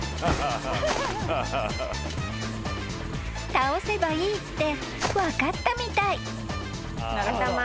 ［倒せばいいって分かったみたい］